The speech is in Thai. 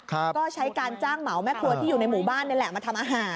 ก็ใช้การจ้างเหมาแม่ครัวที่อยู่ในหมู่บ้านนี่แหละมาทำอาหาร